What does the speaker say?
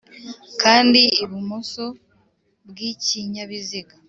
kandi ibumoso bw'ikinyabiziga